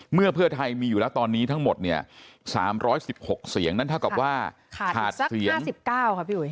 เมื่อเพื่อไทยมีอยู่แล้วตอนนี้ทั้งหมดเนี่ย๓๑๖เสียงนั้นเท่ากับว่าขาดสักเสียง๕๙ค่ะพี่อุ๋